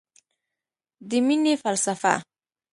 د مینې فلسفه